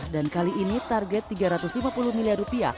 dan kali ini target rp tiga ratus lima puluh miliar